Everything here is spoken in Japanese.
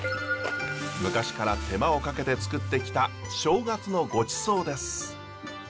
昔から手間をかけてつくってきた正月のごちそうです。